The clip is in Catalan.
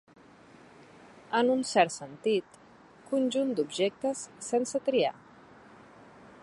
En un cert sentit, conjunt d'objectes sense triar.